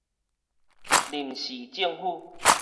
臨時政府